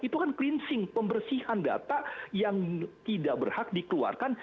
itu kan cleansing pembersihan data yang tidak berhak dikeluarkan